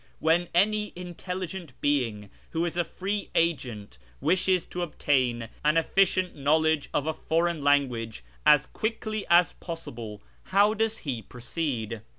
When any intelligent being who is a free acreut wishes to obtain an efficient knowledge of a foreij^n language as quickly as possible, how does he proceed